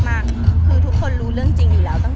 แม็กซ์ก็คือหนักที่สุดในชีวิตเลยจริง